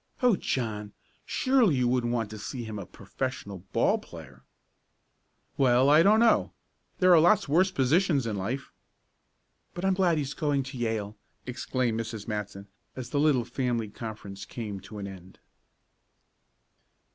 "Oh, John! surely you wouldn't want to see him a professional ball player?" "Well, I don't know. There are lots worse positions in life." "But I'm glad he's going to Yale!" exclaimed Mrs. Matson, as the little family conference came to an end.